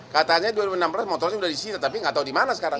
katanya dua ribu enam belas motornya sudah disita tapi gak tau dimana sekarang